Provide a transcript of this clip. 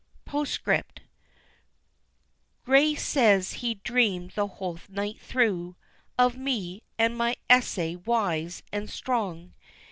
POST SCRIPT: Gray says he dreamed the whole night through Of me, and of my essay wise and strong.